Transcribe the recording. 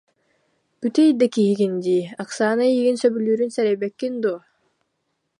Бүтэй да киһигин дии, Оксана эйигин сөбүлүүрүн сэрэйбэккин дуо